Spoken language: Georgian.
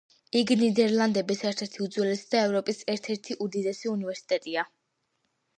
იგი ნიდერლანდების ერთ-ერთი უძველესი და ევროპის ერთ-ერთი უდიდესი უნივერსიტეტია.